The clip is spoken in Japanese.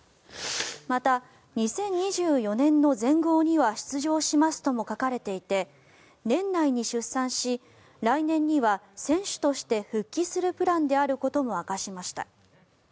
また、２０２４年の全豪には出場しますとも書かれていて年内に出産し来年には選手として復帰するプランであることも明かしました。